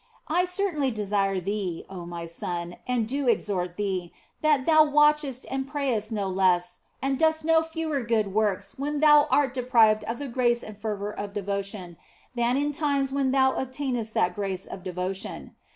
I certainly desire thee, oh my son, and do exhort thee, that thou watchest and prayest no less and dost no fewer good works when thou art deprived of the grace and fervour of devotion than in times when thou obtainest that grace of devotion.